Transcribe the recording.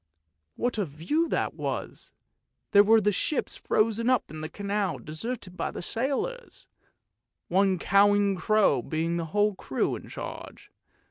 What a view that was; there were the ships frozen up in the canal deserted by the sailors, one cawing crow being the whole crew in charge.